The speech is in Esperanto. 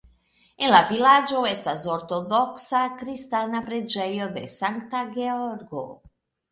En la vilaĝo estas ortodoksa kristana preĝejo de Sankta Georgo.